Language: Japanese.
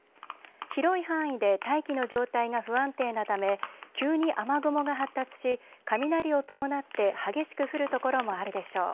広い範囲で大気の状態が不安定なため急に雨雲が発達し雷を伴って激しく降る所もあるでしょう。